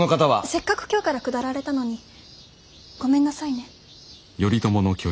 せっかく京から下られたのにごめんなさいね。